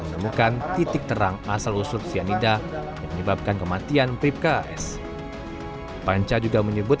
menemukan titik terang asal usut sianida yang menyebabkan kematian pribka as panca juga menyebut